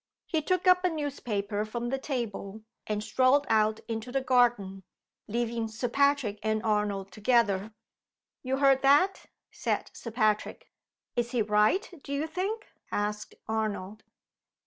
He took up a newspaper from the table, and strolled out into the garden, leaving Sir Patrick and Arnold together. "You heard that?" said Sir Patrick. "Is he right, do you think?" asked Arnold.